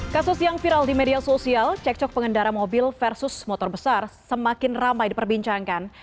kasus yang viral di media sosial cekcok pengendara mobil versus motor besar semakin ramai diperbincangkan